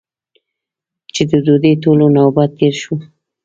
چې د دوی ټولو نوبت تېر شو.